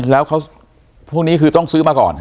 แล้วเขาพวกนี้คือต้องซื้อมาก่อน